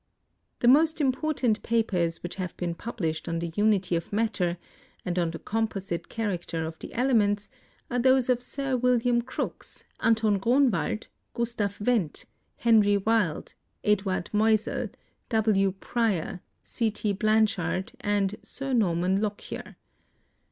The most important papers which have been published on the unity of matter and on the composite character of the THE ATOMIC WEIGHTS 299 elements are those of Sir William Crookes, Anton Grun wald, Gustav Wendt, Henry Wilde, Eduard Meusel, W. Preyer, C. T. Blanshard and Sir Norman Lockyer.